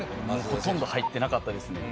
ほとんど入ってなかったですね。